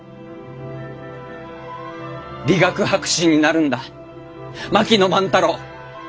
理学博士になるんだ槙野万太郎！